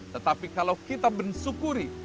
tetapi kalau kita bersyukuri